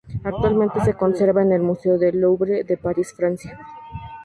Actualmente se conserva en el Museo del Louvre de París, Francia.